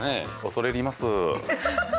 恐れ入ります。